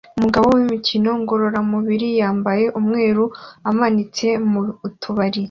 Umugabo wimikino ngororamubiri yambaye umweru umanitse mu tubari